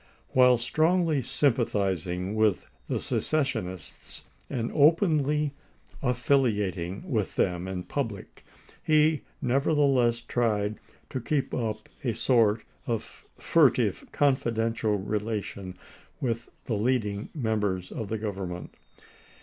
While strongly sympathizing with the secessionists, and openly affiliating with them in public, he nevertheless tried to keep up a sort of furtive confidential relation with the leading members of the Government.